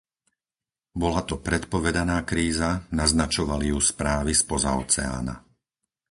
Bola to predpovedaná kríza, naznačovali ju správy spoza oceána.